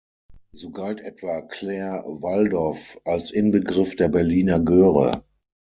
So galt etwa Claire Waldoff als Inbegriff der Berliner Göre.